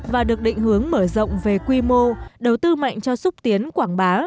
và được định hướng mở rộng về quy mô đầu tư mạnh cho xúc tiến quảng bá